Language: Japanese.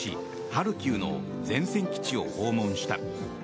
ハルキウの前線基地を訪問した。